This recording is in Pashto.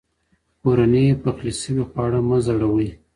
کورني پخلي شوي خواړه مه زړوئ.